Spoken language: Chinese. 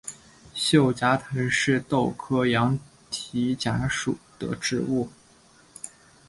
锈荚藤是豆科羊蹄甲属的植物。